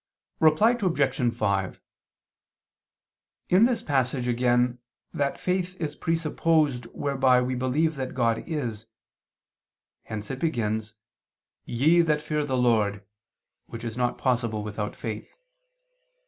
Reply Obj. 5: In this passage again that faith is presupposed whereby we believe that God is; hence it begins, "Ye that fear the Lord," which is not possible without faith.